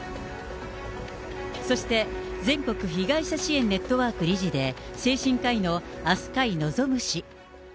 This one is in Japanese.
そして全国被害者支援ネットワーク理事で、精神科医の飛鳥井望氏。